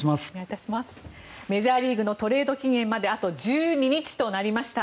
メジャーリーグのトレード期限まであと１２日となりました。